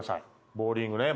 ボウリングね。